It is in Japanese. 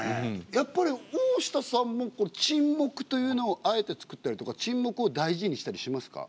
やっぱり大下さんも沈黙というのをあえて作ったりとか沈黙を大事にしたりしますか？